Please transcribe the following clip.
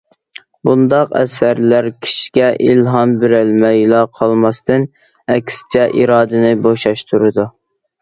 بۇنداق ئەسەرلەر كىشىگە ئىلھام بېرەلمەيلا قالماستىن، ئەكسىچە ئىرادىنى بوشاشتۇرىدۇ.